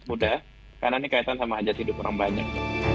mudah karena ini kaitan sama hajat hidup orang banyak